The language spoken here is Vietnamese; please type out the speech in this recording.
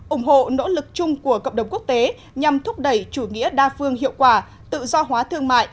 ủng hộ nỗ lực chung của cộng đồng quốc tế nhằm thúc đẩy chủ nghĩa đa phương hiệu quả tự do hóa thương mại